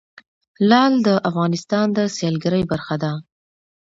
لعل د افغانستان د سیلګرۍ برخه ده.